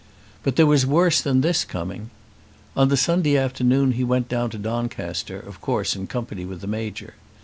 But there was worse than this coming. On the Sunday afternoon he went down to Doncaster, of course in company with the Major.